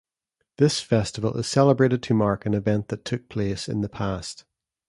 This festival is celebrated to mark an event that took place in the past.